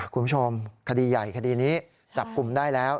คุณผู้ชมคดีใหญ่คดีนี้จับกลุ่มได้แล้ว